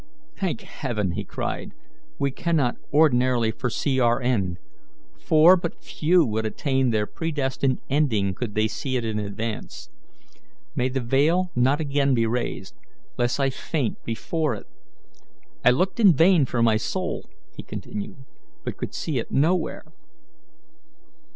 "Thank Heaven," he cried, "we cannot ordinarily foresee our end; for but few would attain their predestined ending could they see it in advance. May the veil not again be raised, lest I faint before it! I looked in vain for my soul," he continued, "but could see it nowhere."